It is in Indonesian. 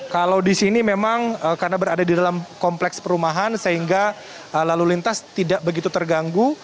kalau di sini memang karena berada di dalam kompleks perumahan sehingga lalu lintas tidak begitu terganggu